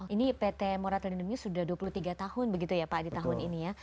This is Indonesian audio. ini pt moratorium ini sudah dua puluh tiga tahun begitu ya pak di tahun ini ya